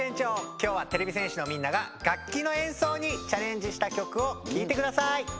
きょうはてれび戦士のみんなががっきのえんそうにチャレンジしたきょくをきいてください。